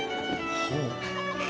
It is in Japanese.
ほう。